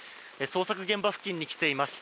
捜査現場付近に来ています。